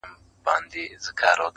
له دریمه چي بېغمه دوه یاران سول -